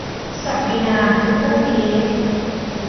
ศักดินาคือพวกตีนเล็ก ?